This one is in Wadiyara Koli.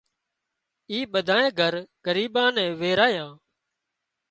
اِي ٻڌانئي گھر ڳريبان نين ويرايان